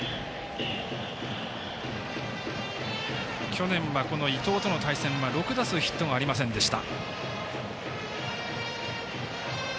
去年は伊藤との対戦は６打数ヒットがありませんでした。